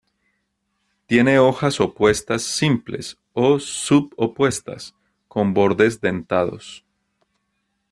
Tiene hojas opuestas simples, o subopuestas, con bordes dentados.